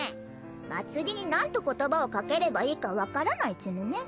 まつりになんと言葉をかければいいかわからないチムね？